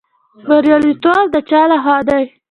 بریالیتوب د چا لخوا دی؟